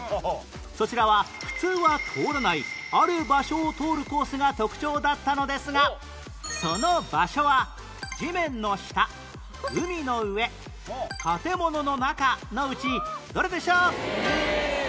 そちらは普通は通らないある場所を通るコースが特徴だったのですがその場所は地面の下海の上建物の中のうちどれでしょう？